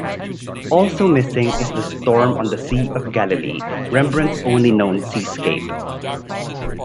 Also missing is "The Storm on the Sea of Galilee", Rembrandt's only known seascape.